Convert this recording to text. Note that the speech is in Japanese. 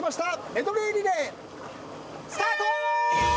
メドレーリレースタート！